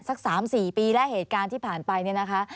สัก๓๔ปีแล้วเหตุการณ์ที่ผ่านไปเนี่ยนะคะ